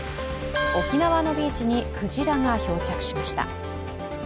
沖縄のビーチにクジラが漂着しました。